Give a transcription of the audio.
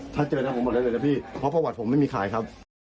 ถ้าเจอนะผมบอกได้เลยนะพี่เพราะประวัติผมไม่มีขายครับ